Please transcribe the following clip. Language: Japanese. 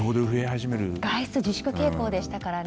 外出自粛傾向でしたからね。